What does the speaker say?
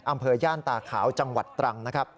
อำเภาย่านต่าขาวจังหวัดตรัง